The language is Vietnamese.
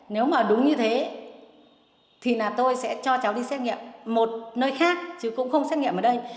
nếu mà đúng như thế thì là tôi sẽ cho cháu đi xét nghiệm một nơi khác chứ cũng không xét nghiệm ở đây